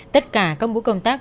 tất cả các mối công tác